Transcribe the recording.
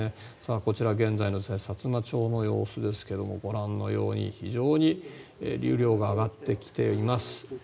こちら現在のさつま町の様子ですがご覧のように非常に流量が上がってきています。